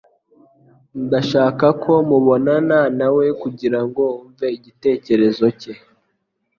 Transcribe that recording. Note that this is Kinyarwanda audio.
Ndashaka ko mubonana nawe kugirango wumve igitekerezo cye